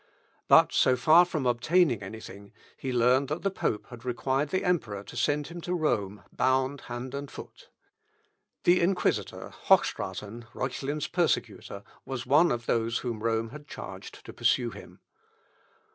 But so far from obtaining anything, he learned that the pope had required the emperor to send him to Rome bound hand and foot. The inquisitor, Hochstraten, Reuchlin's persecutor, was one of those whom Rome had charged to pursue him.